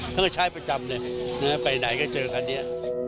เธอก็ใช้ประจำเลยไปไหนก็เจอคันนี้